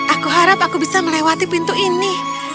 aku harap aku bisa melewati pintu ini